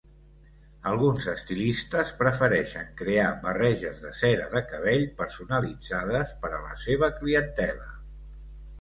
Alguns estilistes prefereixen crear barreges de cera de cabell personalitzades per a la seva clientela.